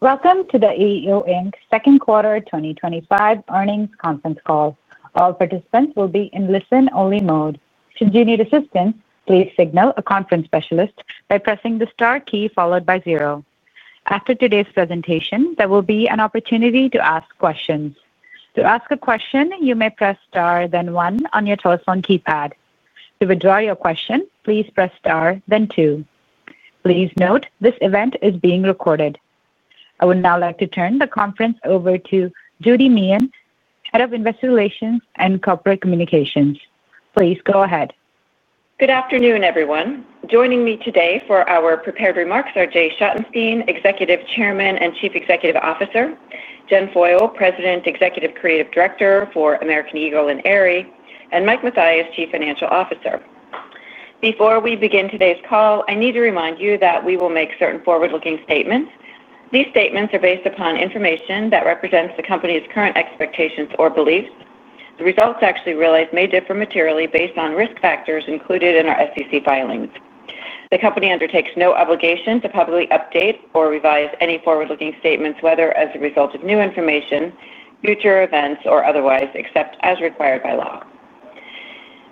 Welcome to the AEO Inc. Second Quarter twenty twenty five Earnings Conference Call. All participants will be in listen only mode. Please note this event is being recorded. I would now like to turn the conference over to Judy Meehan, Head of Investor Relations and Corporate Communications. Please go ahead. Good afternoon, everyone. Joining me today for our prepared remarks are Jay Schottenstein, Executive Chairman and Chief Executive Officer Jen Foyle, President, Executive Creative Director for American Eagle and Aerie and Mike Mathias, Chief Financial Officer. Before we begin today's call, I need to remind you that we will make certain forward looking statements. These statements are based upon information that represents the company's current expectations or beliefs. The results actually realized may differ materially based on risk factors included in our SEC filings. The company undertakes no obligation to publicly update or revise any forward looking statements whether as a result of new information, future events or otherwise, except as required by law.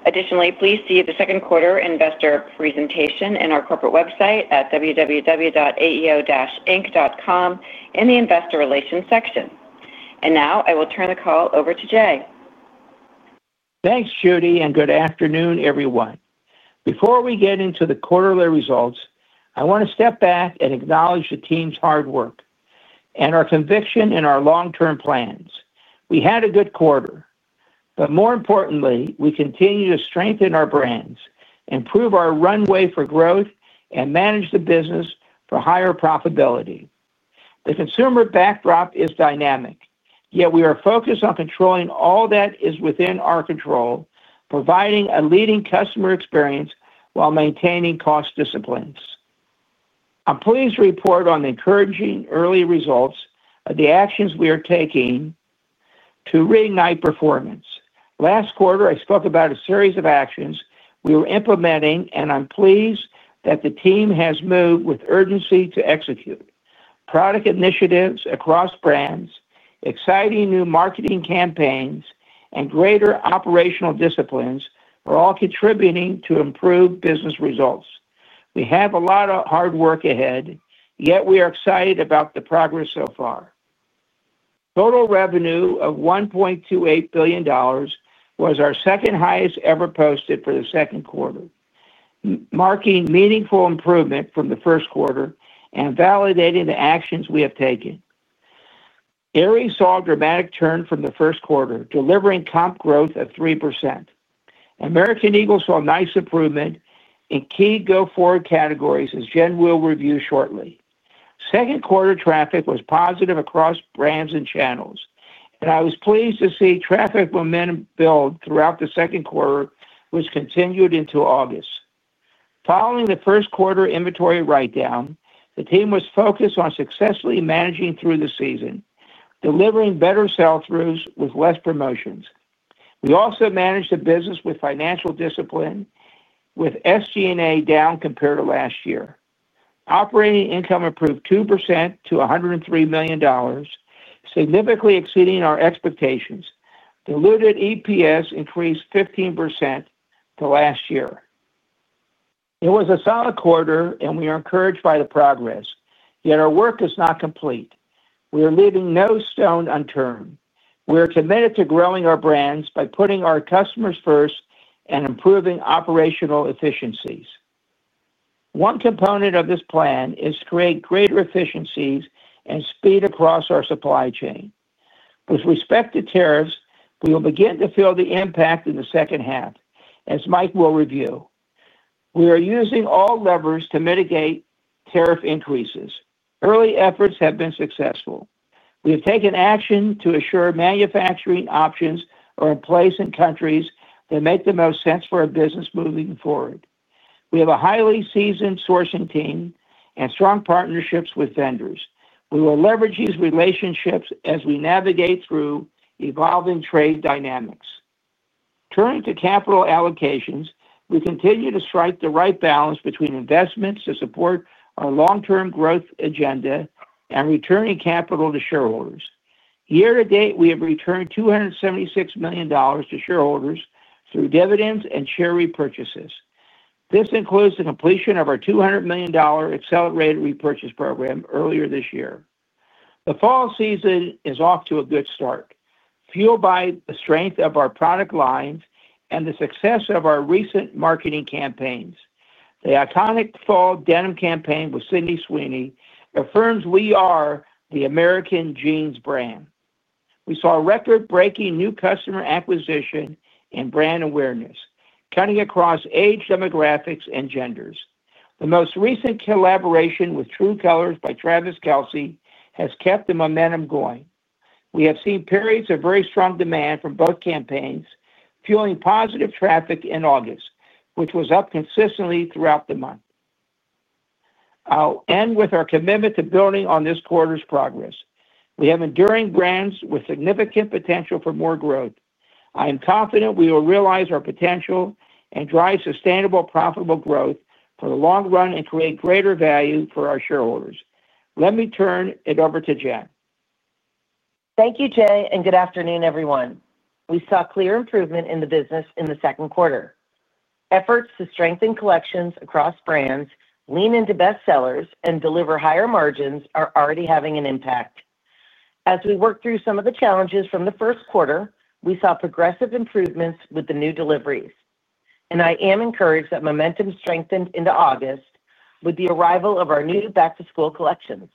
Additionally, please see the second quarter investor presentation in our corporate website at www.aeoinc.com in the Investor Relations section. And now I will turn the call over to Jay. Thanks, Judy, and good afternoon, everyone. Before we get into the quarterly results, I want to step back and acknowledge the team's hard work and our conviction in our long term plans. We had a good quarter, but more importantly, we continue to strengthen our brands, improve our runway for growth and manage the business for higher profitability. The consumer backdrop is dynamic, yet we are focused on controlling all that is within our control, providing a leading customer experience while maintaining cost disciplines. I'm pleased to report on encouraging early results of the actions we are taking to reignite performance. Last quarter, I spoke about a series of actions we were implementing, and I'm pleased that the team has moved with urgency to execute. Product initiatives across brands, exciting new marketing campaigns and greater operational disciplines are all contributing to improved business results. We have a lot of hard work ahead, yet we are excited about the progress so far. Total revenue of $1,280,000,000 was our second highest ever posted for the second quarter, marking meaningful improvement from the first quarter and validating the actions we have taken. Aerie saw a dramatic turn from the first quarter, delivering comp growth of 3%. American Eagle saw a nice improvement in key go forward categories, as Jen will review shortly. Second quarter traffic was positive across brands and channels. And I was pleased to see traffic momentum build throughout the second quarter, which continued into August. Following the first quarter inventory write down, the team was focused on successfully managing through the season, delivering better sell throughs with less promotions. We also managed the business with financial discipline with SG and A down compared to last year. Operating income improved 2% to $103,000,000 significantly exceeding our expectations. Diluted EPS increased 15% to last year. It was a solid quarter and we are encouraged by the progress, yet our work is not complete. We are leaving no stone unturned. We are committed to growing our brands by putting our customers first and improving operational efficiencies. One component of this plan is to create greater efficiencies and speed across our supply chain. With respect to tariffs, we will begin to feel the impact in the second half, as Mike will review. We are using all levers to mitigate tariff increases. Early efforts have been successful. We have taken action to assure manufacturing options are in place in countries that make the most sense for our business moving forward. We have a highly seasoned sourcing team and strong partnerships with vendors. We will leverage these relationships as we navigate through evolving trade dynamics. Turning to capital allocations, We continue to strike the right balance between investments to support our long term growth agenda and returning capital to shareholders. Year to date, we have returned $276,000,000 to shareholders through dividends and share repurchases. This includes the completion of our $200,000,000 accelerated repurchase program earlier this year. The fall season is off to a good start, fueled by the strength of our product lines and the success of our recent marketing campaigns. The iconic fall denim campaign with Cindy Sweeney affirms we are the American jeans brand. We saw record breaking new customer acquisition and brand awareness, cutting across age demographics and genders. The most recent collaboration with True Colors by Travis Kelce has kept the momentum going. We have seen periods of very strong demand from both campaigns, fueling positive traffic in August, which was up consistently throughout the month. I'll end with our commitment to building on this quarter's progress. We have enduring brands with significant potential for more growth. I am confident we will realize our potential and drive sustainable profitable growth for the long run and create greater value for our shareholders. Let me turn it over to Jen. Thank you, Jay, and good afternoon, everyone. We saw clear improvement in the business in the second quarter. Efforts to strengthen collections across brands, lean into best sellers and deliver higher margins are already having an impact. As we work through some of the challenges from the first quarter, we saw progressive improvements with the new deliveries. And I am encouraged that momentum strengthened into August with the arrival of our new back to school collections.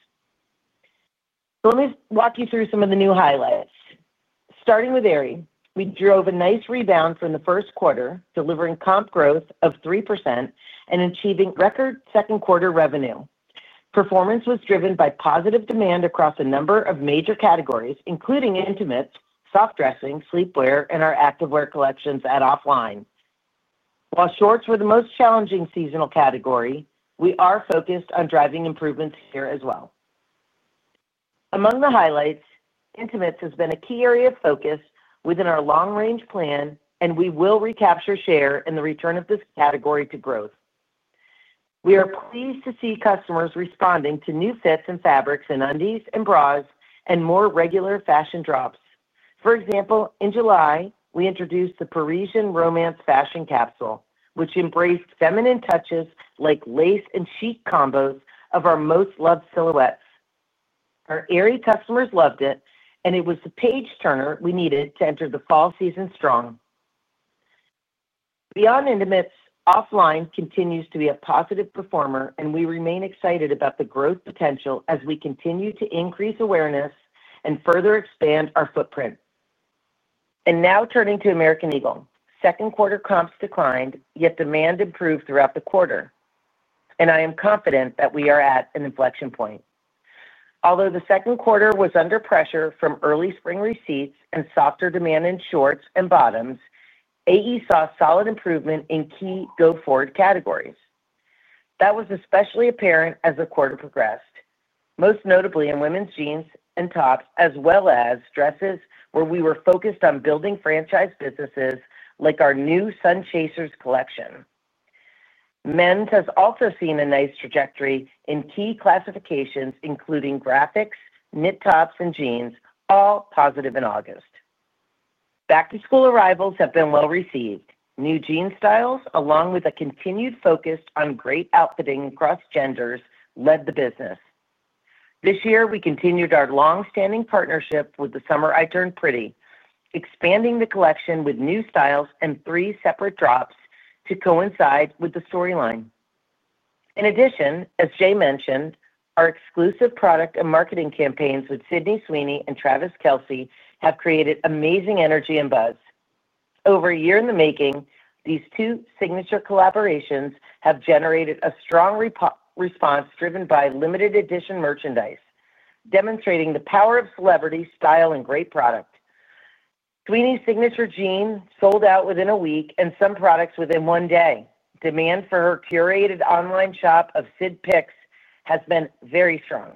So let me walk you through some of the new highlights. Starting with Aerie, we drove a nice rebound from the first quarter, delivering comp growth of 3% and achieving record second quarter revenue. Performance was driven by positive demand across a number of major categories, including intimates, soft dressing, sleepwear and our activewear collections at Offline. While shorts were the most challenging seasonal category, we are focused on driving improvements here as well. Among the highlights, intimates has been a key area of focus within our long range plan, and we will recapture share in the return of this category to growth. We are pleased to see customers responding to new fits and fabrics in undies and bras and more regular fashion drops. For example, in July, we introduced the Parisian Romance Fashion Capsule, which embraced feminine touches like lace and chic combos of our most loved silhouettes. Our Aerie customers loved it, and it was the page turner we needed to enter the fall season strong. Beyond intimates, offline continues to be a positive performer, and we remain excited about the growth potential as we continue to increase awareness and further expand our footprint. And now turning to American Eagle. Second quarter comps declined, yet demand improved throughout the quarter. And I am confident that we are at an inflection point. Although the second quarter was under pressure from early spring receipts and softer demand in shorts and bottoms, AE saw solid improvement in key go forward categories. That was especially apparent as the quarter progressed, most notably in women's jeans and tops as well as dresses where we were focused on building franchise businesses like our new Sun Chasers collection. Men's has also seen a nice trajectory in key classifications, including graphics, knit tops and jeans, all positive in August. Back to school arrivals have been well received. New jean styles, along with a continued focus on great outfitting across genders, led the business. This year, we continued our long standing partnership with The Summer I Turned Pretty, expanding the collection with new styles and three separate drops to coincide with the storyline. In addition, as Jay mentioned, our exclusive product and marketing campaigns with Sydney Sweeney and Travis Kelce have created amazing energy and buzz. Over a year in the making, these two signature collaborations have generated a strong response driven by limited edition merchandise, demonstrating the power of celebrity style and great product. Sweeney's signature jeans sold out within a week and some products within one day. Demand for her curated online shop of Sid Picks has been very strong.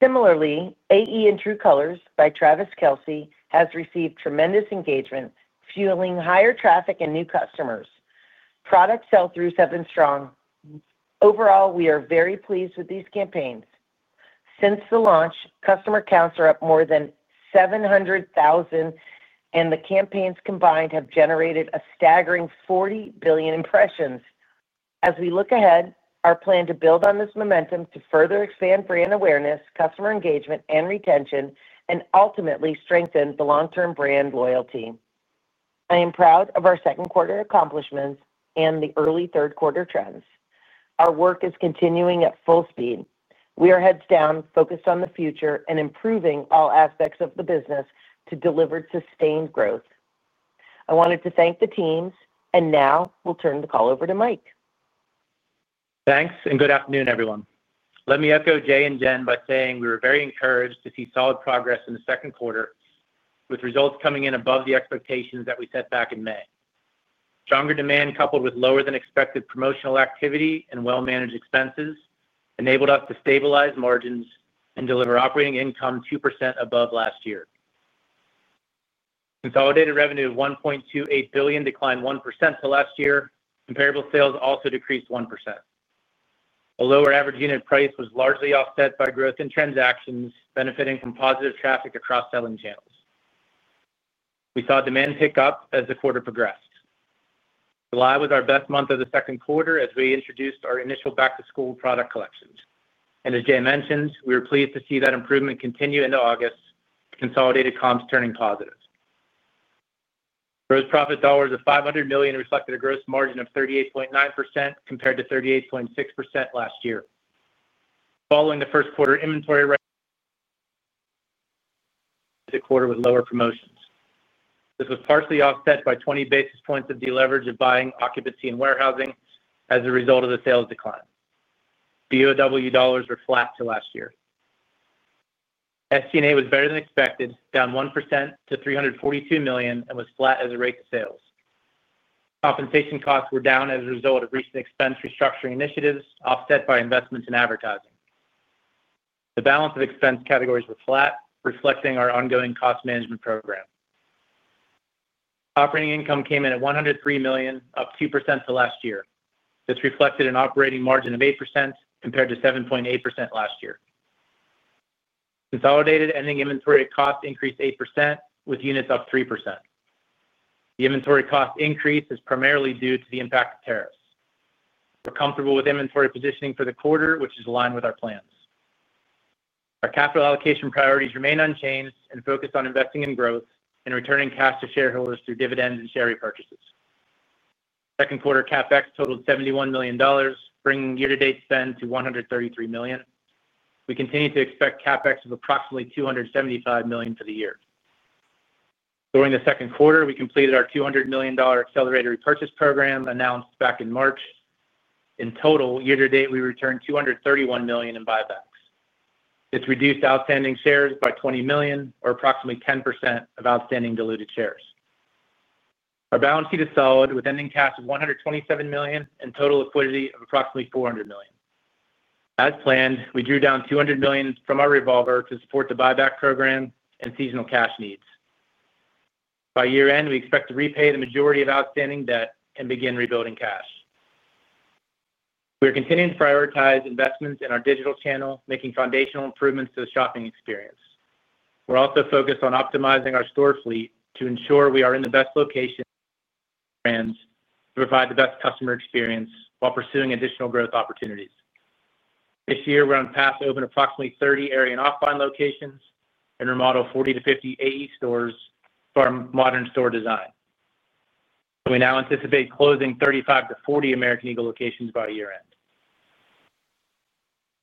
Similarly, AE in True Colors by Travis Kelce has received tremendous engagement, fueling higher traffic and new customers. Product sell throughs have been strong. Overall, we are very pleased with these campaigns. Since the launch, customer counts are up more than 700,000 and the campaigns combined have generated a staggering 40,000,000,000 impressions. As we look ahead, our plan to build on this momentum to further expand brand awareness, customer engagement and retention and ultimately strengthen the long term brand loyalty. I am proud of our second quarter accomplishments and the early third quarter trends. Our work is continuing at full speed. We are heads down focused on the future and improving all aspects of the business to deliver sustained growth. I wanted to thank the teams. And now we'll turn the call over to Mike. Thanks, and good afternoon, everyone. Let me echo Jay and Jen by saying we were very encouraged to see solid progress in the second quarter with results coming in above the expectations that we set back in May. Stronger demand coupled with lower than expected promotional activity and well managed expenses enabled us to stabilize margins and deliver operating income 2% above last year. Consolidated revenue of $1,280,000,000 declined 1% to last year. Comparable sales also decreased 1%. The lower average unit price was largely offset by growth in transactions benefiting from positive traffic across selling channels. We saw demand pick up as the quarter progressed. July was our best month of the second quarter as we introduced our initial back to school product collections. And as Jay mentioned, we are pleased to see that improvement continue into August, consolidated comps turning positive. Gross profit dollars of $500,000,000 reflected a gross margin of 38.9% compared to 38.6% last year. Following the first quarter inventory the quarter with lower promotions. This was partially offset by 20 basis points of deleverage of buying occupancy and warehousing as a result of the sales decline. BOW dollars were flat to last year. SG and A was better than expected, down 1% to $342,000,000 and was flat as a rate of sales. Compensation costs were down as a result of recent expense restructuring initiatives offset by investments in advertising. The balance of expense categories were flat reflecting our ongoing cost management program. Operating income came in at $103,000,000 up 2% for last year. This reflected an operating margin of 8% compared to 7.8% last year. Consolidated ending inventory cost increased 8% with units up 3%. The inventory cost increase is primarily due to the impact of tariffs. We're comfortable with inventory positioning for the quarter, which is aligned with our plans. Our capital allocation priorities remain unchanged and focused on investing in growth and returning cash to shareholders through dividends and share repurchases. Second quarter CapEx totaled $71,000,000 bringing year to date spend to $133,000,000 We continue to expect CapEx of approximately $275,000,000 for the year. During the second quarter, we completed our $200,000,000 accelerated repurchase program announced back in March. In total, year to date, we returned $231,000,000 in buybacks. This reduced outstanding shares by $20,000,000 or approximately 10% of outstanding diluted shares. Our balance sheet is solid with ending cash of $127,000,000 and total liquidity of approximately $400,000,000 As planned, we drew down $200,000,000 from our revolver to support the buyback program and seasonal cash needs. By year end, we expect to repay the majority of outstanding debt and begin rebuilding cash. We're continuing to prioritize investments in our digital channel, making foundational improvements to the shopping experience. We're also focused on optimizing our store fleet to ensure we are in the best location and provide the best customer experience while pursuing additional growth opportunities. This year, we're on path to open approximately 30 Aerie and offline locations and remodel 40 to 50 AE stores for our modern store design. We now anticipate closing 35 to 40 American Eagle locations by year end.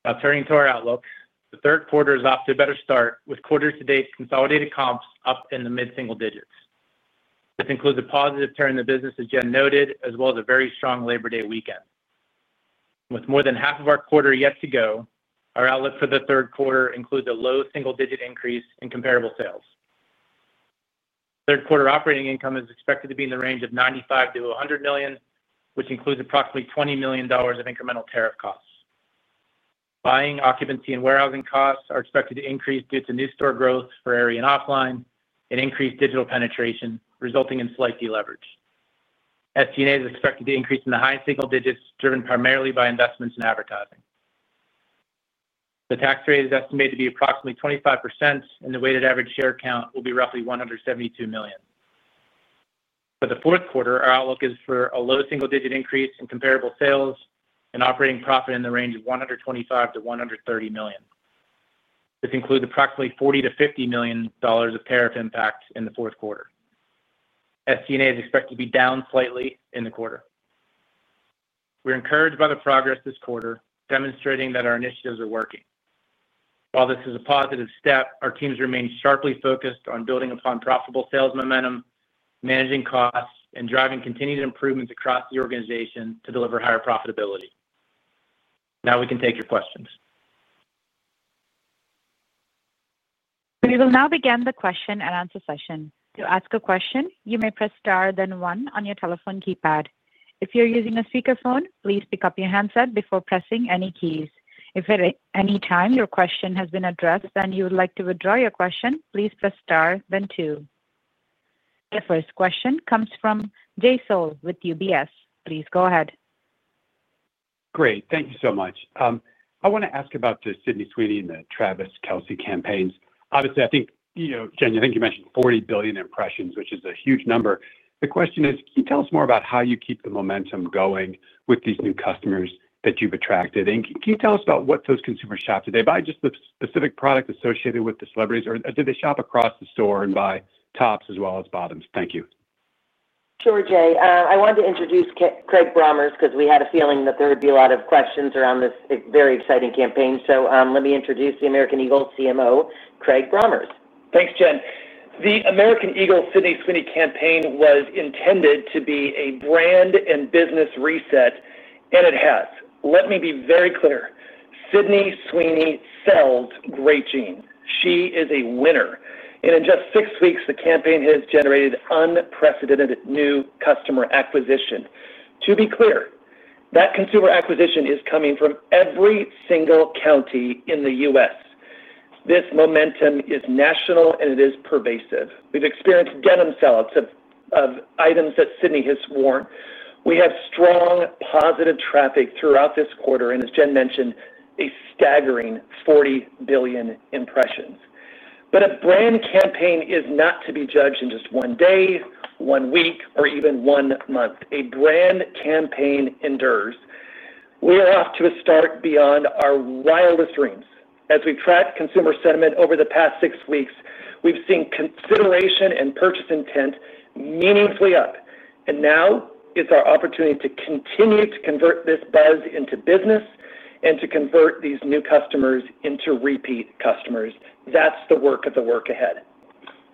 Now turning to our outlook, the third quarter is off to a better start with quarter to date consolidated comps up in the mid single digits. This includes a positive turn in the business as Jen noted, as well as a very strong Labor Day weekend. With more than half of our quarter yet to go, our outlook for the third quarter includes a low single digit increase in comparable sales. Third quarter operating income is expected to be in the range of 95,000,000 to $100,000,000 which includes approximately $20,000,000 of incremental tariff costs. Buying occupancy and warehousing costs are expected to increase due to new store growth for Aerie and offline and increased digital penetration resulting in slight deleverage. SG and A is expected to increase in the high single digits driven primarily by investments in advertising. The tax rate is estimated to be approximately 25 and the weighted average share count will be roughly $172,000,000 For the fourth quarter, our outlook is for a low single digit increase in comparable sales and operating profit in the range of 125,000,000 to $130,000,000 This includes approximately 40,000,000 to $50,000,000 of tariff impacts in the fourth quarter. SG and A is expected to be down slightly in the quarter. We're encouraged by the progress this quarter demonstrating that our initiatives are working. While this is a positive step, our teams remain sharply focused on building upon profitable sales momentum, managing costs and driving continued improvements across the organization to deliver higher profitability. Now we can take your questions. We will now begin the question and answer session. Your first question comes from Jay Sole with UBS. Please go ahead. Great. Thank you so much. I want to ask about the Sydney Sweeney and the Travis Kelce campaigns. Obviously, I think Jen, I think you mentioned 40,000,000,000 impressions, which is a huge number. The question is, can you tell us more about how you keep the momentum going with these new customers that you've attracted? And can you tell us about what those consumers shop today by just the specific product associated with the celebrities? Or did they shop across the store and buy tops as well as bottoms? Thank you. Sure, Jay. I wanted to introduce Craig Braumers because we had a feeling that there would be a lot of questions around this very exciting campaign. So let me introduce the American Eagle CMO, Craig Braumers. Thanks, Jen. The American Eagle Sydney campaign was intended to be a brand and business reset, and it has. Let me be very clear. Sydney Sweeney sells great jeans. She is a winner. And in just six weeks, the campaign has generated unprecedented new customer acquisition. To be clear, that consumer acquisition is coming from every single county in The U. S. This momentum is national and it is pervasive. We've experienced denim sellouts of items that Sydney has worn. We have strong positive traffic throughout this quarter, and as Jen mentioned, a staggering 40,000,000,000 impressions. But a brand campaign is not to be judged in just one day, one week or even one month. A brand campaign endures. We are off to a start beyond our wildest dreams. As we track consumer sentiment over the past six weeks, we've seen consideration and purchase intent meaningfully up. And now it's our opportunity to continue to convert this buzz into business and to convert these new customers into repeat customers. That's the work of the work ahead.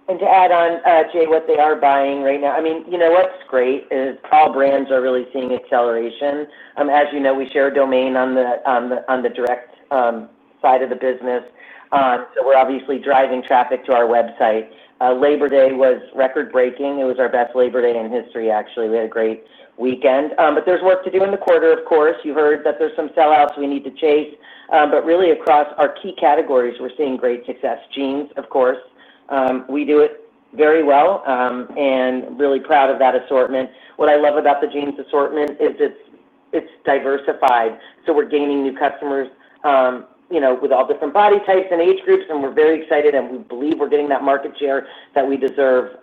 And to add on, Jay, what they are buying right now. I mean, what's great is all brands are really seeing acceleration. As you know, we share domain on the direct side of the business. So we're obviously driving traffic to our website. Labor Day was record breaking. It was our best Labor Day in history actually. We had a great weekend. But there's work to do in the quarter, of course. You heard that there's some sellouts we need to chase. But really across our key categories, we're seeing great success. Jeans, of course, we do it very well and really proud of that assortment. What I love about the jeans assortment is it's diversified. So we're gaining new customers with all different body types and age groups, and we're very excited and we believe we're getting that market share that we deserve.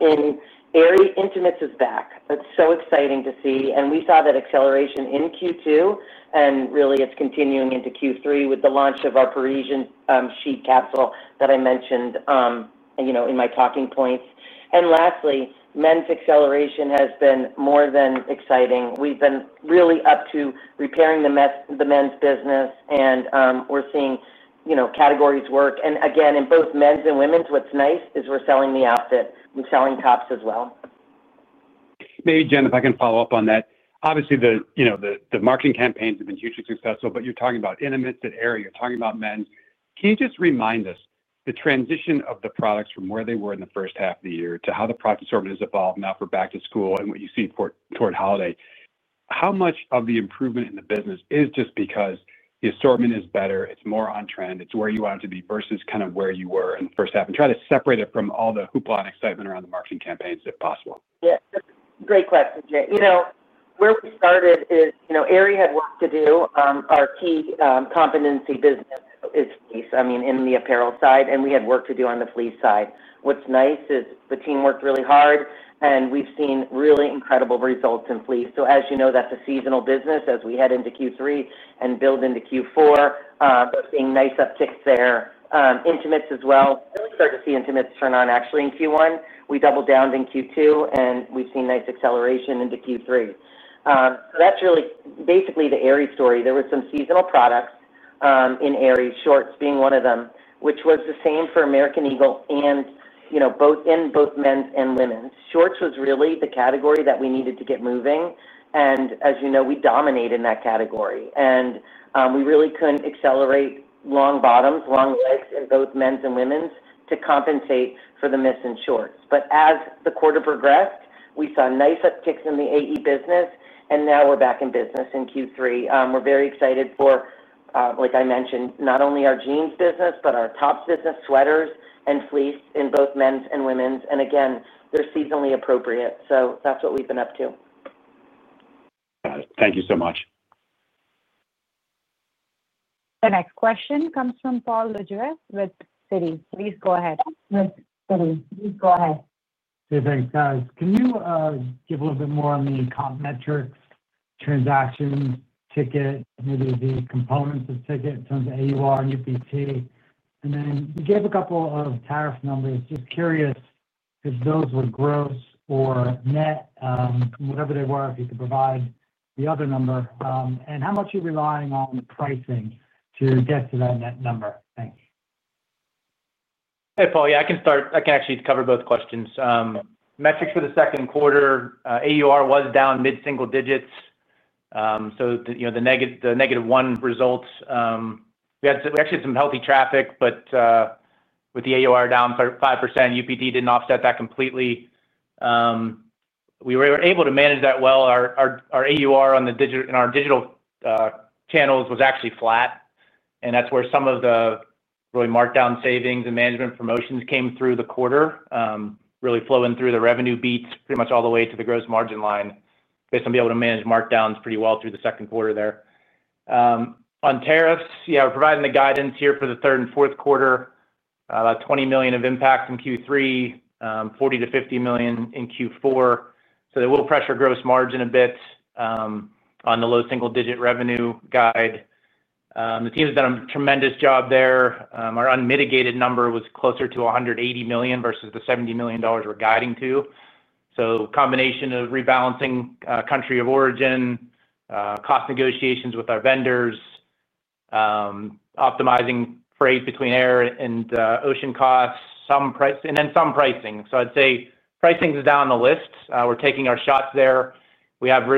In Aerie, intimates is back. It's so exciting to see. And we saw that acceleration in Q2, and really it's continuing into Q3 with the launch of our Parisian sheet capsule that I mentioned in my talking points. And lastly, men's acceleration has been more than exciting. We've been really up to repairing the men's business and we're seeing categories work. And again, in both men's and women's, what's nice is we're selling the outfit and selling tops as well. Maybe, Jen, if I can follow-up on that. Obviously, the marketing campaigns have been hugely successful, but you're talking about in a mid to the area, you're talking about men's. Can you just remind us the transition of the products from where they were in the first half the year to how the product assortment has evolved now for back to school and what you see toward holiday. How much of the improvement in the business is just because the assortment is better, it's more on trend, it's where you want it to be versus kind of where you were in the first half and try to separate it from all the hoopla and excitement around the marketing campaigns if possible? Yes. Great question, Jay. Where we started is Aerie had work to do. Our key competency business is fleece, mean, in the apparel side and we had work to do on the fleece side. What's nice is the team worked really hard and we've seen really incredible results in fleece. So as you know, that's a seasonal business as we head into Q3 and build into Q4, but seeing nice uptick there. Intimates as well, really start to see intimates turn on actually in Q1. We doubled down in Q2 and we've seen nice acceleration into Q3. So that's really basically the Aerie story. There were some seasonal products in Aerie, shorts being one of them, which was the same for American Eagle and both in both men's and women's. Shorts was really the category that we needed to get moving. And as you know, we dominate in that category. And we really couldn't accelerate long bottoms, long legs in both men's and women's to compensate for the miss and shorts. But as the quarter progressed, we saw nice upticks in the AE business and now we're back in business in Q3. We're very excited for, like I mentioned, not only our jeans business, but our tops business, sweaters and fleece in both men's and women's. And again, they're seasonally appropriate. So that's what we've been up to. Got it. Thank you so much. The next question comes from Paul Lejuez with Citi. Please go ahead. Can you give a little bit more on the comp metrics, transaction ticket, maybe the components of ticket in terms of AUR and UPT? And then you gave a couple of tariff numbers. Just curious if those were gross or net, whatever they were, if you could provide the other number? And how much are you relying on pricing to get to that net number? Thanks. Paul, yes, I can start I can actually cover both questions. Metrics for the second quarter, AUR was down mid single digits. So the negative one results, we actually had some healthy traffic, but with the AUR down 5%, UPD didn't offset that completely. We were able to manage that well. AUR on the in our digital channels was actually flat. And that's where some of the really markdown savings and management promotions came through the quarter, really flowing through the revenue beats pretty much all the way to the gross margin line, based on being able to manage markdowns pretty well through the second quarter there. On tariffs, yes, we're providing the guidance here for the third and fourth quarter, about $20,000,000 of impact in Q3, 40,000,000 to $50,000,000 in Q4. So they will pressure gross margin a bit on the low single digit revenue guide. The team has done a tremendous job there. Our unmitigated number was closer to $180,000,000 versus the $70,000,000 we're guiding to. So combination of rebalancing country of origin, cost negotiations with our vendors, optimizing freight between air and ocean costs, some price and then some pricing. So I'd say pricing is down the list. We're taking our shots there. We have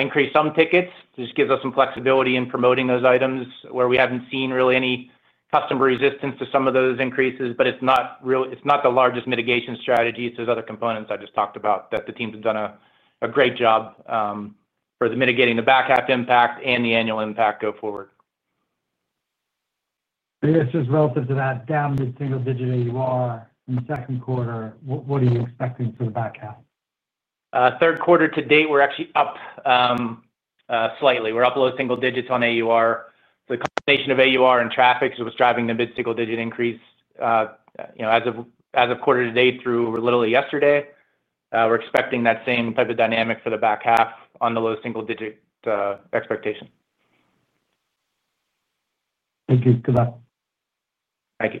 increased some tickets. This gives us some flexibility in promoting those items where we haven't seen really any customer resistance to some of those increases, but it's not the largest mitigation strategy. It's those other components I just talked about that the team has done a great job for mitigating the back half impact and the annual impact go forward. And this is relative to that down mid single digit AUR in the second quarter. What are you expecting for the back half? Third quarter to date, we're actually up slightly. We're up low single digits on AUR. The combination of AUR and traffic was driving the mid single digit increase as of quarter to date through literally yesterday. We're expecting that same type of dynamic for the back half on the low single digit expectation. Thank you. Good luck. Thank you.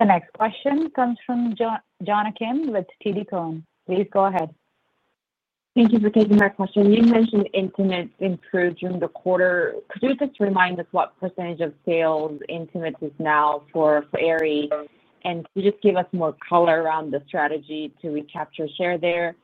The next question comes from Jonah Kim with TD Cowen. Please go ahead. Thank you for taking my question. You mentioned intimates improved during the quarter. Could you just remind us what percentage of sales intimates is now for Aerie? And could you just give us more color around the strategy to recapture share there?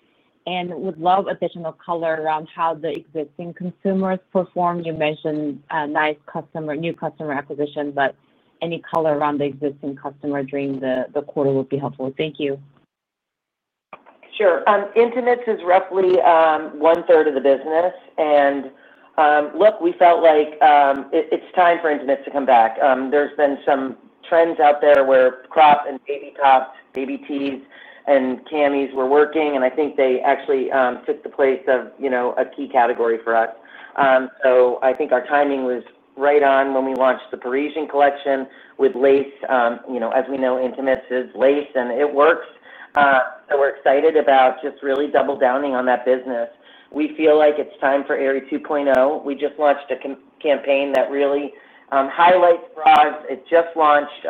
And would love additional color around how the existing consumers performed? You mentioned a nice customer new customer acquisition, but any color around the existing customer during the quarter would be helpful. Thank you. Sure. Intimates is roughly one third of the business. And look, we felt like it's time for intimates to come back. There's been some trends out there where crop and baby tops, baby tees and camis were working. And I think they actually took the place of a key category for us. So I think our timing was right on when we launched the Parisian collection with lace. As we know, intimates is lace and it works. And we're excited about just really double downing on that business. We feel like it's time for Aerie two point zero. We just launched a campaign that really highlights for us. It just launched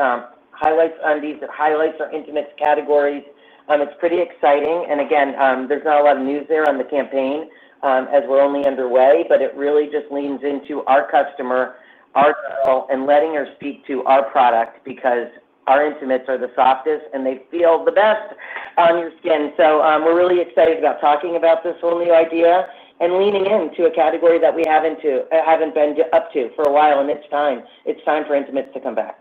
highlights on these highlights our intimate categories. It's pretty exciting. And again, there's not a lot of news there on the campaign as we're only underway, but it really just leans into our customer, our girl and letting her speak to our product because our intimates are the softest and they feel the best on your skin. So we're really excited about talking about this whole new idea and leaning into a category that we haven't been up to for a while and it's time. It's time for intimates to come back.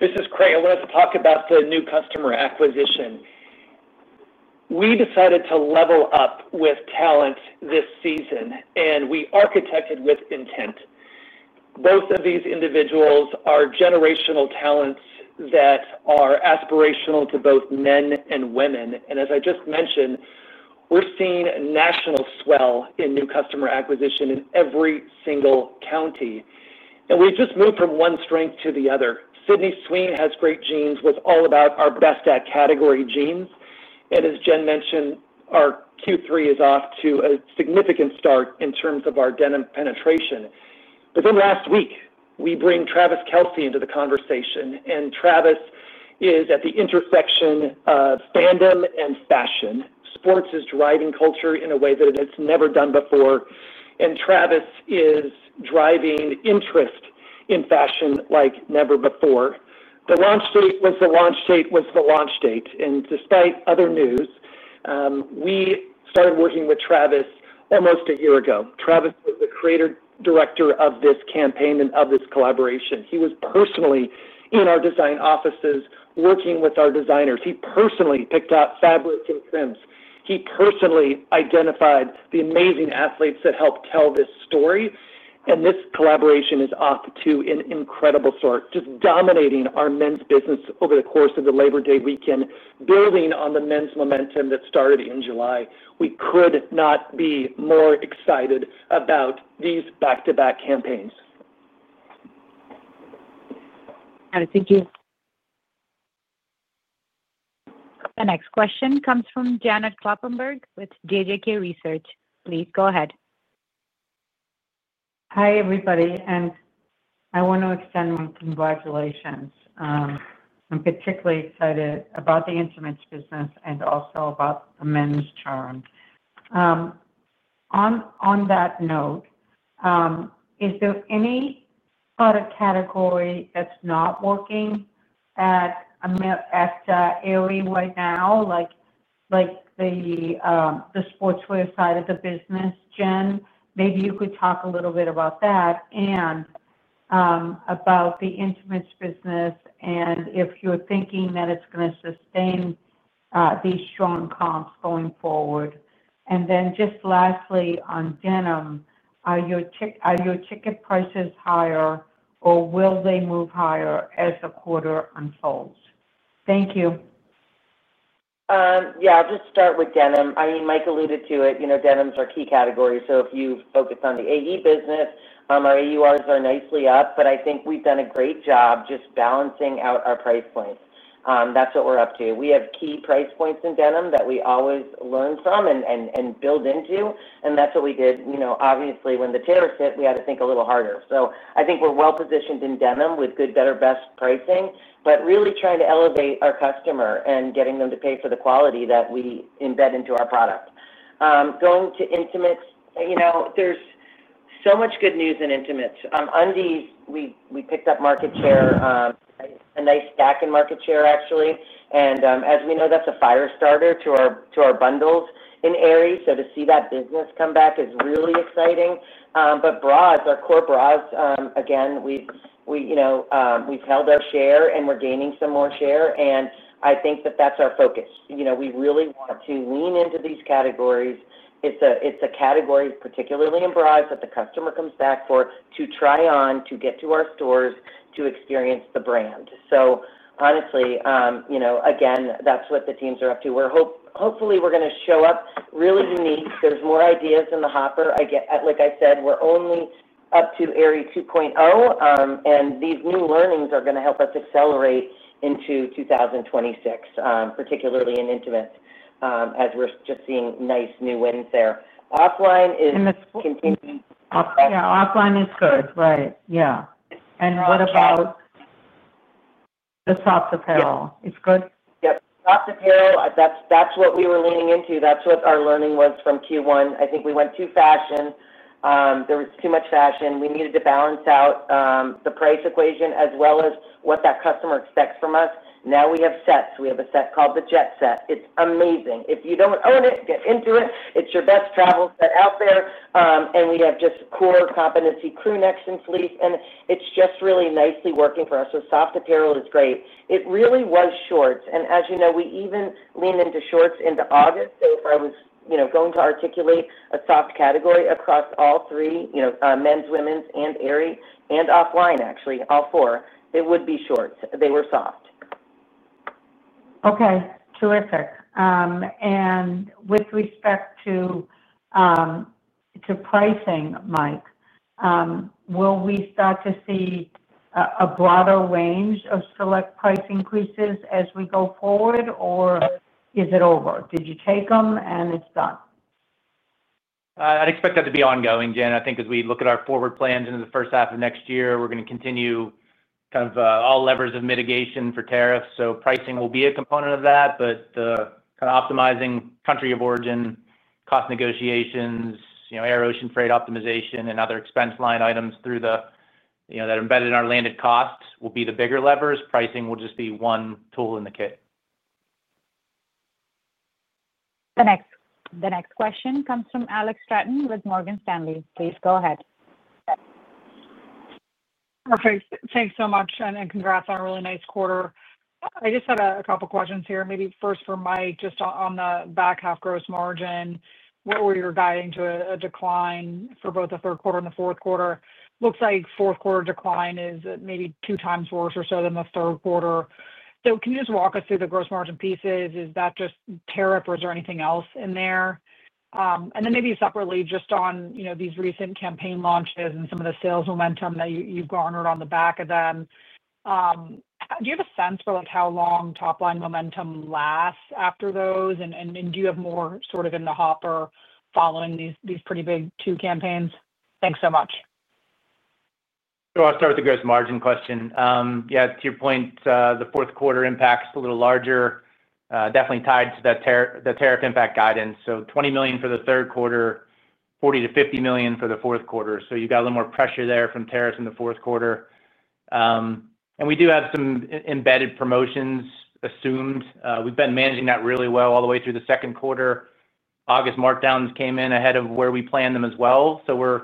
This is Craig. Let's talk about the new customer acquisition. We decided to level up with talent this season and we architected with intent. Both of these individuals are generational talents that are aspirational to both men and women. And as I just mentioned, we're seeing national swell in new customer acquisition in every single county. And we've just moved from one strength to the other. Sydney Sween has great jeans with all about our best at category jeans. And as Jen mentioned, our Q3 is off to a significant start in terms of our denim penetration. But then last week, we bring Travis Kelce into the conversation, and Travis is at the intersection of fandom and fashion. Sports is driving culture in a way that it's never done before, and Travis is driving interest in fashion like never before. The launch date was the launch date was the launch date. And despite other news, we started working with Travis almost a year ago. Travis was the creator director of this campaign and of this collaboration. He was personally in our design offices working with our designers. He personally picked up fabrics and trims. He personally identified the amazing athletes that helped tell this story, And this collaboration is off to an incredible start, just dominating our men's business over the course of the Labor Day weekend, building on the men's momentum that started in July. We could not be more excited about these back to back campaigns. Got it. Thank you. The next question comes from Janet Kloppenburg with JJK Research. Please go ahead. Hi, everybody, and I wanna extend my congratulations. I'm particularly excited about the instruments business and also about the men's charm. On on that note, is there any product category that's not working at at Aerie right now, like like the the sportswear side of the business, Jen, maybe you could talk a little bit about that and about the intimates business and if you're thinking that it's gonna sustain these strong comps going forward? And then just lastly on denim, are your ticket prices higher or will they move higher as the quarter unfolds? Thank you. Yes, I'll just start with denim. I mean, Mike alluded to it, denims are key categories. So if you focus on the AE business, our AURs are nicely up, but I think we've done a great job just balancing out our price points. That's what we're up to. We have key price points in denim that we always learn from and build into, and that's what we did. Obviously, when the tariffs hit, we had to think a little harder. So I think we're well positioned in denim with good, better, best pricing, but really trying to elevate our customer and getting them to pay for the quality that we embed into our product. Going to intimates, there's so much good news in intimates. Undies, we picked up market share, a nice stack in market share actually. And as we know, that's a fire starter to our bundles in Aerie. So to see that business come back is really exciting. But bras, our core bras, again, we've held our share and we're gaining some more share. And I think that that's our focus. We really want to lean into these categories. It's a category, particularly in bras that the customer comes back for to try on, to get to our stores, to experience the brand. So honestly, again, that's what the teams are up to. We're hopefully, we're going to show up really unique. There's more ideas in the hopper. Like I said, we're only up to Aerie two point zero, and these new learnings are going to help us accelerate into 2026, particularly in Intimate as we're just seeing nice new wins there. Offline is continuing. Offline is good, right. Yes. And what about the soft apparel? It's good? Yes. Soft apparel, that's what we were leaning into. That's what our learning was from Q1. I think we went to fashion. There was too much fashion. We needed to balance out the price equation as well as what that customer expects from us. Now we have sets. We have a set called the Jet Set. It's amazing. If you don't own it, get into it. It's your best travel set out there. And we have just core competency crew next in fleece, and it's just really nicely working for us. So soft apparel is great. It really was shorts. And as you know, we even lean into shorts into August. So I was going to articulate a soft category across all three, men's, women's and Aerie and offline actually, all four, it would be shorts. They were soft. Okay. Terrific. And with respect to to pricing, Mike, will we start to see a broader range of select price increases as we go forward, or is it over? Did you take them and it's done? I'd expect that to be ongoing, Jen. I think as we look at our forward plans into the first half of next year, we're going to continue kind of all levers of mitigation for tariffs. So pricing will be a component of that, but kind of optimizing country of origin, cost negotiations, air ocean freight optimization and other expense line items through the that embedded in our landed costs will be the bigger levers. Pricing will just be one tool in the kit. The next question comes from Alex Stratton with Morgan Stanley. Please go ahead. Okay. Thanks so much and congrats on a really nice quarter. I just had a couple of questions here. Maybe first for Mike, just on the back half gross margin, where you're guiding to a decline for both the third quarter and the fourth quarter. Looks like fourth quarter decline is maybe two times worse or so than the third quarter. So can you just walk us through the gross margin pieces? Is that just tariff or is there anything else in there? And then maybe separately, just on these recent campaign launches and some of the sales momentum that you've garnered on the back of them, Do you have a sense for like how long top line momentum lasts after those? And do you have more sort of in the hopper following these pretty big two campaigns? Thanks so much. So I'll start with the gross margin question. Yes, to your point, the fourth quarter impact is a little larger, definitely tied to the tariff impact guidance. So $20,000,000 for the third quarter, 40,000,000 to $50,000,000 for the fourth quarter. So you've got a little more pressure there from tariffs in the fourth quarter. And we do have some embedded promotions assumed. We've been managing that really well all the way through the second quarter. August markdowns came in ahead of where we planned them as well. So we're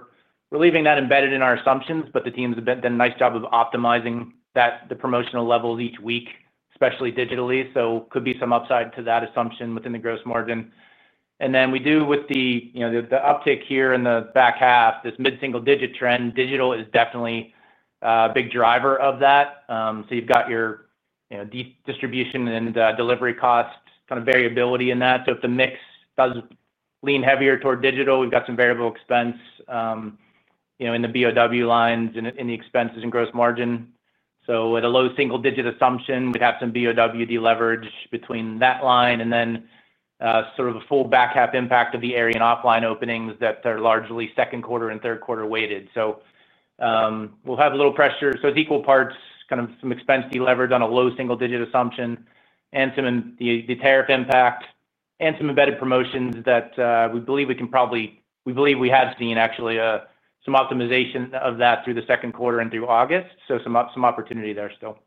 leaving that embedded in our assumptions, but the teams have done a nice job of optimizing that the promotional levels each week, especially digitally. So could be some upside to that assumption within the gross margin. And then we do with the uptick here in the back half, this mid single digit trend, digital is definitely a big driver of that. So you've got your distribution and delivery costs kind of variability in that. So if the mix does lean heavier toward digital, we've got some variable expense in the BOW lines, in the expenses and gross margin. So at a low single digit assumption, we'd have some BOW deleverage between that line and then sort of a full back half impact of the area and offline openings that are largely second quarter and third quarter weighted. So we'll have a little pressure. So it's equal parts kind of some expense deleverage on a low single digit assumption and some the tariff impact and some embedded promotions that we believe we can probably we believe we have seen actually some optimization of that through the second quarter and through August, so some opportunity there still.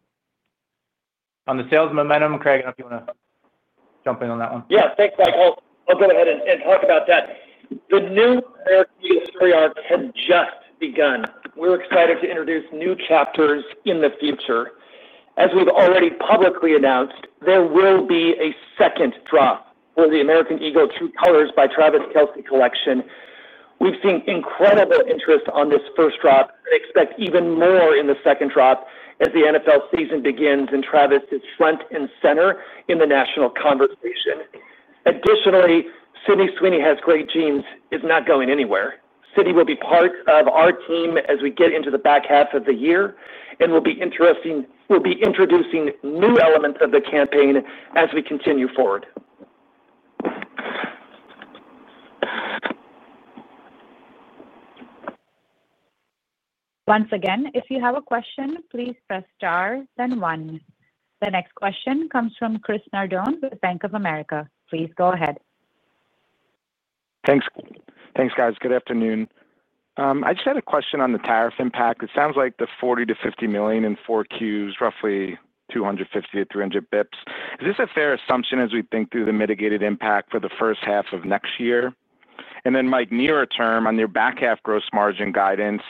On the sales momentum, Craig, I don't if you want to jump in on that one. Yes. Thanks, Mike. I'll go ahead and talk about that. The new Marriott Marriott has just begun. We're excited to introduce new chapters in the future. As we've already publicly announced, there will be a second drop for the American Eagle True Colors by Travis Kelce collection. We've seen incredible interest on this first drop and expect even more in the second drop as the NFL season begins and Travis is front and center in the national conversation. Additionally, Citi Sweeney has great genes is not going anywhere. Citi will be part of our team as we get into the back half of the year and will be interesting will be introducing new elements of the campaign as we continue forward. The next question comes from Chris Nardone with Bank of America. Please go ahead. Thanks. Thanks guys. Good afternoon. I just had a question on the tariff impact. It sounds like the 40,000,000 to $50,000,000 in 4Q is roughly two fifty to 300 bps. Is this a fair assumption as we think through the mitigated impact for the first half of next year? And then Mike, nearer term on your back half gross margin guidance,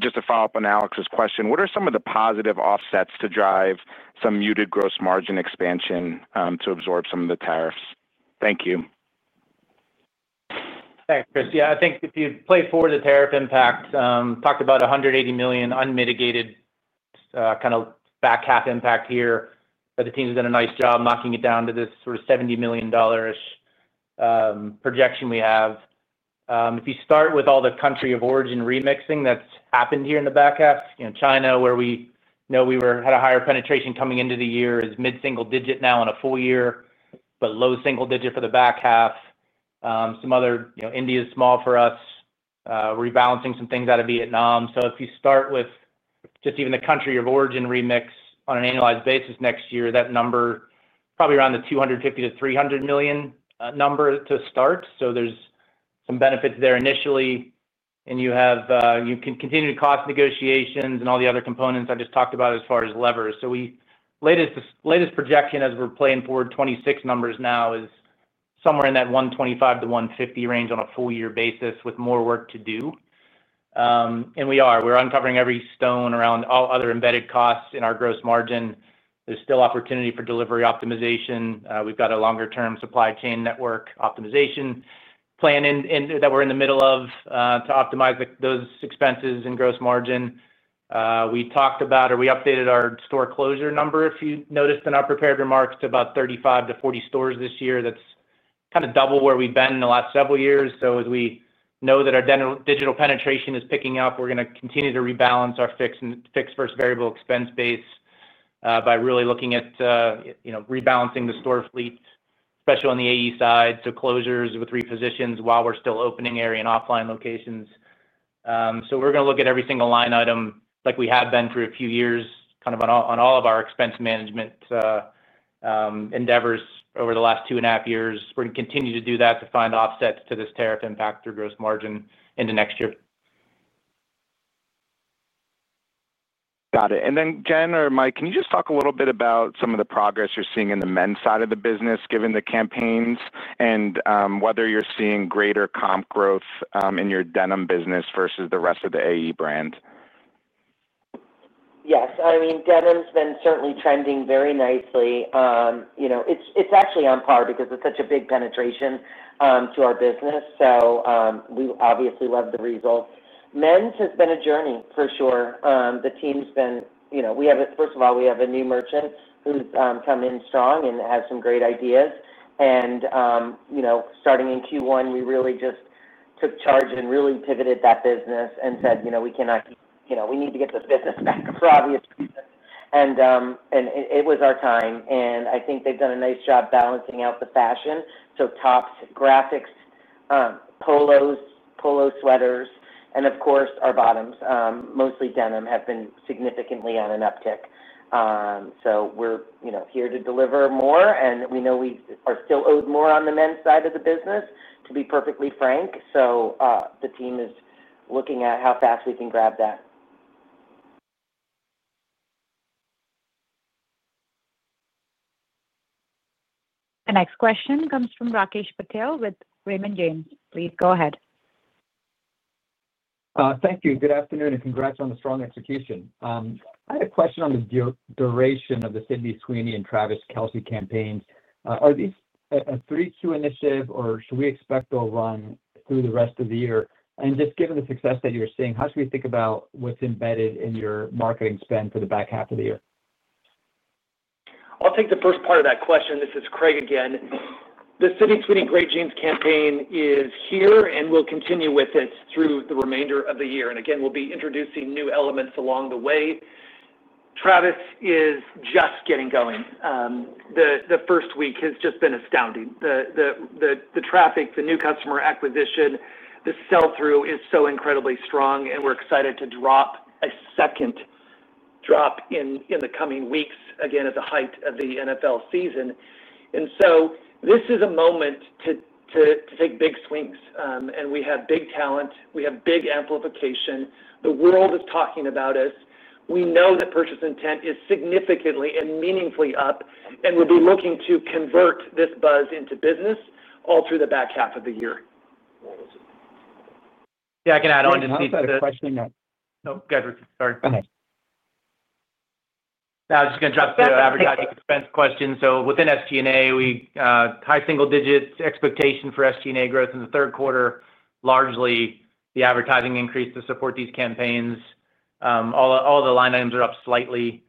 just a follow-up on Alex's question, what are some of the positive offsets to drive some muted gross margin expansion, to absorb some of the tariffs? Thank you. Thanks, Chris. Yes, I think if you play forward the tariff impact, talked about $180,000,000 unmitigated kind of back half impact here. But the team has done a nice job knocking it down to this sort of $70,000,000 ish projection we have. If you start with all the country of origin remixing that's happened here in the back half, China, where we we were had a higher penetration coming into the year, is mid single digit now in a full year, but low single digit for the back half. Some other India is small for us, rebalancing some things out of Vietnam. So if you start with just even the country of origin remix on an annualized basis next year, that number probably around the $250,000,000 to 300,000,000 number to start. So there's some benefits there initially. And you have you can continue to cost negotiations and all the other components I just talked about as far as levers. So we latest projection as we're playing forward 2026 numbers now is somewhere in that 125,000,000 to 150,000,000 range on a full year basis with more work to do. And we are. We're uncovering every stone around all other embedded costs in our gross margin. There's still opportunity for delivery optimization. We've got a longer term supply chain network optimization plan that we're in the middle of to optimize those expenses and gross margin. We talked about or we updated our store closure number, if you noticed in our prepared remarks, to about 35 to 40 stores this year. That's kind of double where we've been in the last several years. So as we know that our digital penetration is picking up, we're going to continue to rebalance our fixed versus variable expense base by really looking at rebalancing the store fleet, especially on the AE side, so closures with repositions while we're still opening area and off line locations. So we're going to look at every single line item like we have been for a few years kind of on all of our expense management endeavors over the last two point five years. We're going continue to do that to find offsets to this tariff impact through gross margin into next year. Got it. And then, Jen or Mike, can you just talk a little bit about some of the progress you're seeing in the men's side of the business given the campaigns and whether you're seeing greater comp growth in your denim business versus the rest of the AE brand? Yes. I mean, denim has been certainly trending very nicely. It's actually on par because it's such a big penetration to our business. So we obviously love the results. Men's has been a journey for sure. The team has been we have first of all, we have a new merchant who's come in strong and has some great ideas. And starting in Q1, we really just took charge and really pivoted that business and said, we cannot we need to get this business back for obvious reasons. And it was our time. And I think they've done a nice job balancing out the fashion. So tops, polos, polo sweaters, and of course, our bottoms, mostly denim have been significantly on an uptick. So we're here to deliver more and we know we are still owed more on the men's side of the business to be perfectly frank. So the team is looking at how fast we can grab that. The next question comes from Rakesh Patel with Raymond James. Please go ahead. Thank you. Good afternoon and congrats on the strong execution. I had a question on the duration of the Sidney Sweeney and Travis Kelce campaigns. Are these a 3Q initiative or should we expect to run through the rest of the year? And just given the success that you're seeing, how should we think about what's embedded in your marketing spend for the back half of the year? I'll take the first part of that question. This is Craig again. The Citi Tweeny Great Jeans campaign is here and we'll continue with it through the remainder of the year. And again, we'll be introducing new elements along the way. Travis is just getting going. The first week has just been astounding. The traffic, the new customer acquisition, the sell through is so incredibly strong and we're excited to drop a second drop in the coming weeks, again at the height of the NFL season. And so this is a moment to take big swings. And we have big talent, we have big amplification, the world is talking about us. We know that purchase intent is significantly and meaningfully up and we'll be looking to convert this buzz into business all through the back half of the year. Can add on to I just going to drop the advertising expense question. So within SG and A, we high single digits expectation for SG and A growth in the third quarter, largely the advertising increase to support these campaigns. All the line items are up slightly,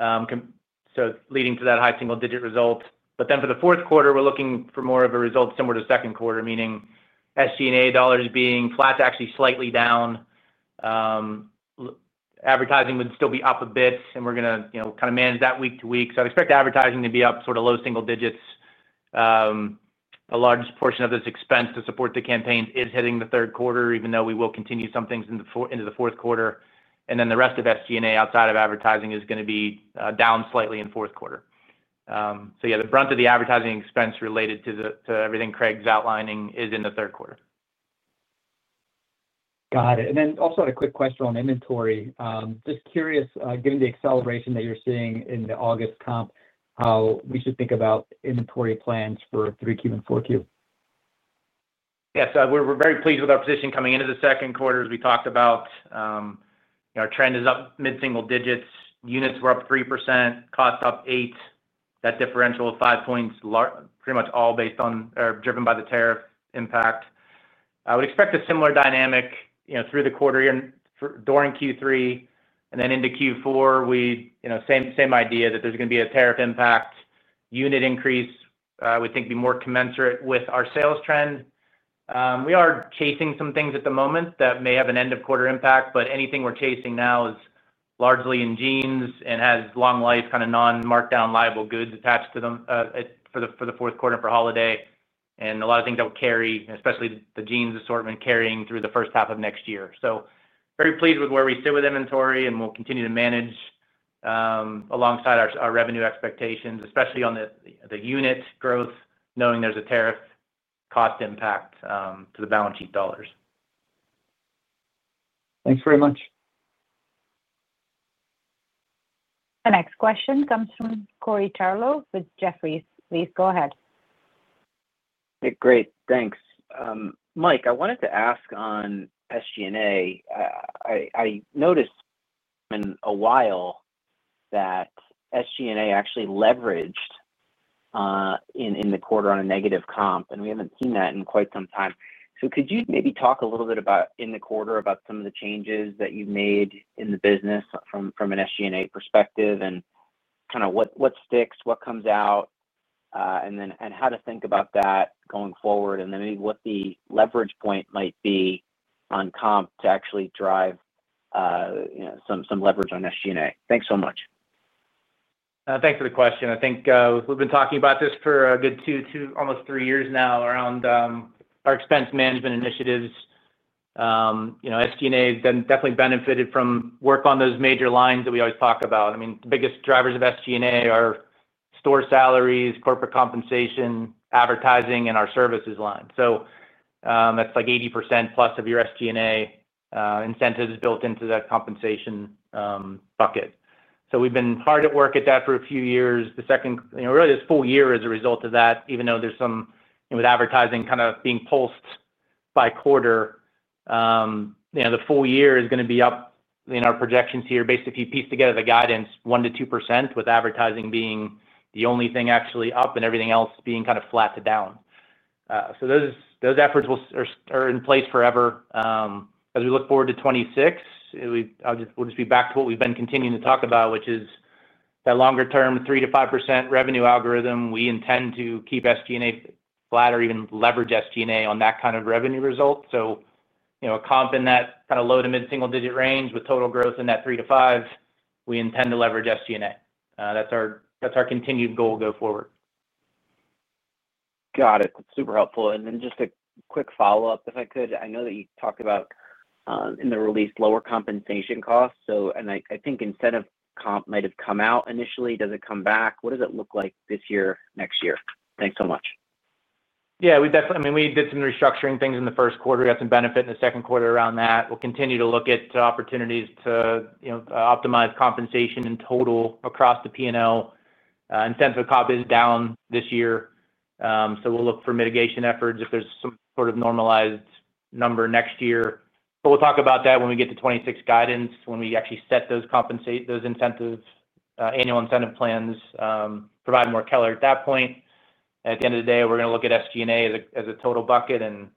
so leading to that high single digit result. But then for the fourth quarter, we're looking for more of a result similar to second quarter, meaning SG and A dollars being flat to actually slightly down. Advertising would still be up a bit and we're going to kind of manage that week to week. So I'd expect advertising to be up sort of low single digits. A large portion of this expense to support the campaigns is hitting the third quarter even though we will continue some things into the fourth quarter. And then the rest of SG and A outside of advertising is going to be down slightly in fourth quarter. So yes, the brunt of the advertising expense related to everything Craig is outlining is in the third quarter. Got it. And then also a quick question on inventory. Just curious given the acceleration that you're seeing in the August comp, how we should think about inventory plans for 3Q and 4Q? Yes. So we're very pleased with our position coming into the second quarter as we talked about. Our trend is up mid single digits. Units were up 3%. Costs up eight that differential of five points pretty much all based on driven by the tariff impact. I would expect a similar dynamic through the quarter during Q3. And then into Q4, we same idea that there's going be a tariff impact, Unit increase, think, would be more commensurate with our sales trend. We are chasing some things at the moment that may have an end of quarter impact, but anything we're chasing now is largely in jeans and has long life kind of non markdown liable goods attached to them for the fourth quarter for holiday and a lot of things that will carry, especially the jeans assortment carrying through the first half of next year. So very pleased with where we sit with inventory and we'll continue to manage alongside our revenue expectations, especially on the unit growth knowing there's a tariff cost impact to the balance sheet dollars. Thanks very much. The next question comes from Cory Tarlow with Jefferies. Please go ahead. Great. Thanks. Mike, I wanted to ask on SG and A. I noticed in a while that SG and A actually leveraged in the quarter on a negative comp, and we haven't seen that in quite some time. So could you maybe talk a little bit about in the quarter about some of the changes that you've made in the business from an SG and A perspective? And kind of what sticks, what comes out? And then and how to think about that going forward? And then maybe what the leverage point might be on comp to actually drive some leverage on SG and A? Thanks so much. Thanks for the question. I think we've been talking about this for a good two, almost three years now around our expense management initiatives. SG and A has definitely benefited from work on those major lines that we always talk about. I mean, the biggest drivers of SG and A are store salaries, corporate compensation, advertising and our services line. So that's like 80% plus of your SG and A incentives built into that compensation bucket. So we've been hard at work at that for a few years. Second really this full year is a result of that, even though there's some with advertising kind of being pulsed by quarter, the full year is going to be up in our projections here. Basically, if you piece together the guidance 1% to 2% with advertising being the only thing actually up and everything else being kind of flat to down. So those efforts are in place forever. As we look forward to 2026, we'll just be back to what we've been continuing to talk about, which is that longer term 3% to 5% revenue algorithm, we intend to keep SG and A flat or even leverage SG and A on that kind of revenue result. A comp in that kind of low to mid single digit range with total growth in that 3% to five we intend to leverage SG and A. That's our continued goal going forward. Got it. Super helpful. And then just a quick follow-up, if I could. I know that you talked about in the release lower compensation costs. So and I think incentive comp might have come out initially. Does it come back? What does it look like this year, next year? Thanks so much. Yes. We definitely I mean, did some restructuring things in the first quarter. We got some benefit the second quarter around that. We'll continue to look at opportunities to optimize compensation in total across the P and L. Incentive comp is down this year. So we'll look for mitigation efforts if there's some sort of normalized number next year. But we'll talk about that when we get to 2026 guidance, when we actually set those compensate those incentives annual incentive plans, provide more color at that point. At the end of the day, we're going to look at SG and A as a total bucket. And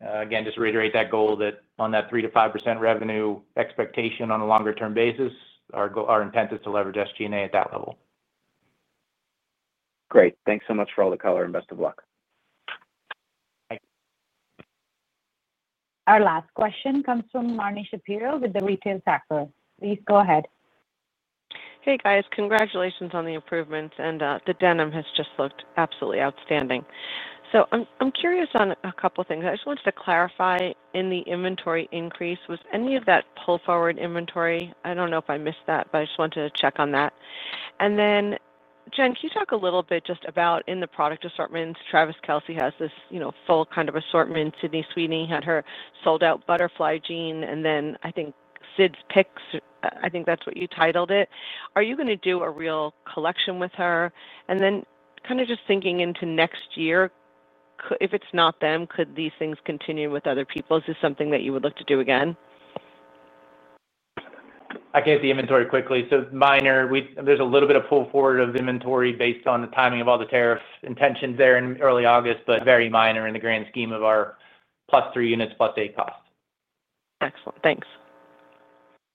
again, reiterate that goal that on that three to 5% revenue expectation on a longer term basis, our intent is to leverage SG and A at that level. Great. Thanks so much for all the color and best of luck. Our last question comes from Marni Shapiro with the Retail Sackler. Please go ahead. Hey guys, congratulations on the improvements and the denim has just looked absolutely outstanding. So I'm curious on a couple of things. I just wanted to clarify in the inventory increase, was any of that pull forward inventory? I don't know if I missed that, but I just wanted to check on that. And then Jen, can you talk a little bit just about in the product assortments, Travis Kelce has this full kind of assortment. Sydney Sweeney had her sold out butterfly jean and then I think Sid's Picks, I think that's what you titled it. Are you going to do a real collection with her? And then kind of just thinking into next year, if it's not them, could these things continue with other people? Is this something that you would look to do again? I can hit the inventory quickly. So minor, there's a little bit of pull forward of inventory based on the timing of all the tariffs intentions there in early August, but very minor in the grand scheme of our plus three units plus eight cost. Excellent. Thanks.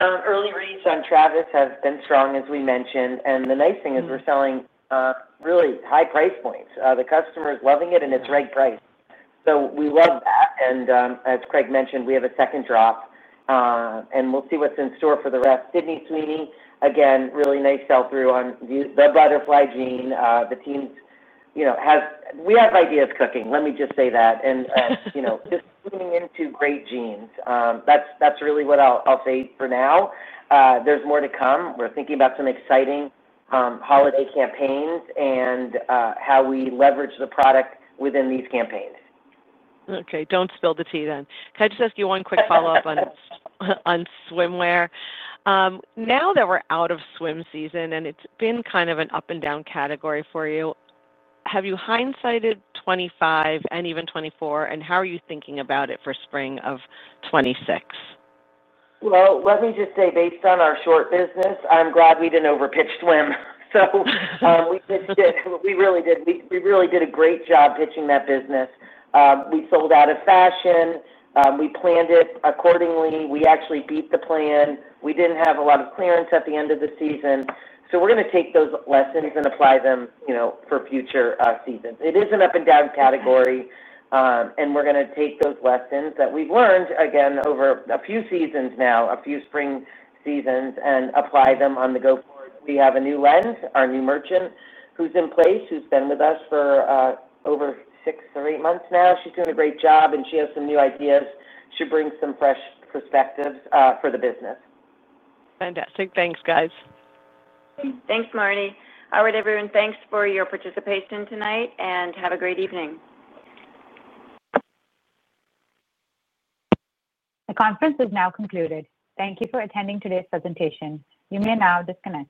Early reads on Travis has been strong as we mentioned. And the nice thing is we're selling really high price points. The customer is loving it and it's right price. So we love that. And as Craig mentioned, we have a second drop and we'll see what's in store for the rest. Sydney Sweeney, again, really nice sell through on the Butterfly gene. The teams have we have ideas cooking, let me just say that. And just moving into great jeans, that's really what I'll say for now. There's more to come. We're thinking about some exciting holiday campaigns and how we leverage the product within these campaigns. Okay. Don't spill the tea then. Can I just ask you one quick follow-up on swimwear? Now that we're out of swim season and it's been kind of an up and down category for you, Have you hindsighted 25 and even 24? And how are you thinking about it for '26? Well, let me just say based on our short business, I'm glad we didn't over pitch swim. So we really did a great job pitching that business. We sold out of fashion. We planned it accordingly. We actually beat the plan. We didn't have a lot of clearance at the end of the season. So we're going to take those lessons and apply them for future seasons. It is an up and down category, and we're going to take those lessons that we've learned again over a few seasons now, a few spring seasons and apply them on the go forward. We have a new lens, our new merchant, who's in place, who's been with us for over six or eight months now. She's doing a great job and she has some new ideas, should bring some fresh perspectives for the business. Fantastic. Thanks, guys. Thanks, Marni. All right, everyone, thanks for your participation tonight, and have a great evening. The conference has now concluded. Thank you for attending today's presentation. You may now disconnect.